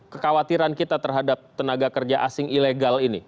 kekhawatiran kita terhadap tenaga kerja asing ilegal ini